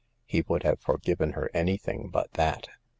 He would have forgiven her any thing but that.